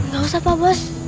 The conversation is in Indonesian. gak usah pak bos